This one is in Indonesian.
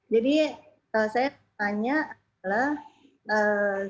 jadi saya tanya adalah